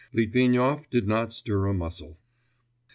Litvinov did not stir a muscle.